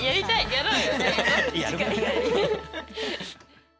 やろう。